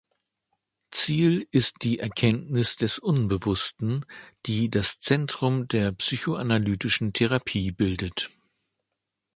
Ziel ist die Erkenntnis des Unbewussten, die das Zentrum der psychoanalytischen Therapie bildet.